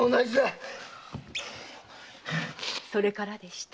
〕それからでした。